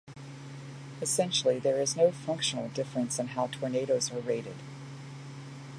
Essentially, there is no functional difference in how tornadoes are rated.